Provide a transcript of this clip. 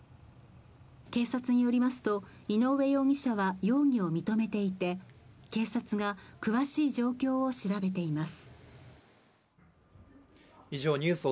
警察によりますと井上容疑者は容疑を認めていて警察が詳しい状況を調べています。